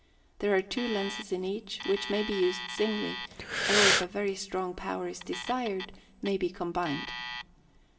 There are two lenses in each, which may be used singly, or if a very strong power is desired, may be combined.